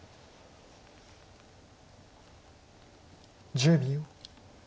１０秒。